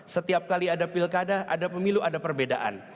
setiap kali ada pilkada ada pemilu ada perbedaan